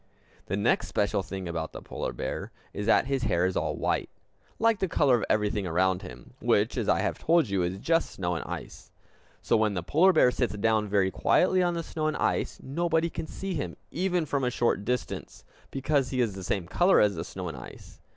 The next special thing about the polar bear is that his hair is all white like the color of everything around him, which, as I have told you, is just snow and ice. So when the polar bear sits down very quietly on the snow and ice, nobody can see him even from a short distance, because he is the same color as the snow and ice.